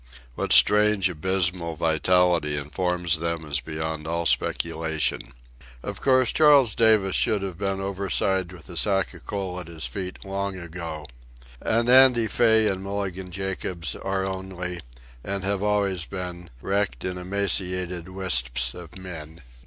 What strange, abysmal vitality informs them is beyond all speculation. Of course, Charles Davis should have been overside with a sack of coal at his feet long ago. And Andy Fay and Mulligan Jacobs are only, and have always been, wrecked and emaciated wisps of men.